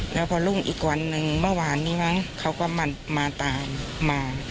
แล้วพอรุ่งอีกวันหนึ่งเมื่อวานนี้มั้งเขาก็มาตามมา